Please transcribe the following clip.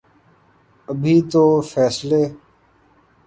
ابھی تو فیصلے